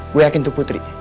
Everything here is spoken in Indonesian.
gue yakin itu putri